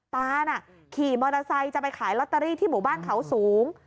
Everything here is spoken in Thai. ตาน่ะขี่มอเตอร์ไซค์จะไปขายลอตเตอรี่ที่หมู่บ้านเขาสูง